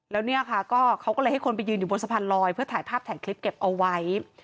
แล้วเนี่ยค่ะก็เขาก็เลยให้คนไปยืนอยู่บนสะพานลอยเพื่อถ่ายภาพถ่ายคลิปเก็บเอาไว้